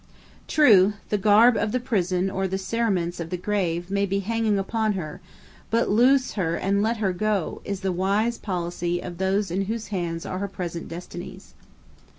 True, the garb of the prison or the cerements of the grave may be hanging upon her, but "loose her and let her go" is the wise policy of those in whose hands are her present destinies.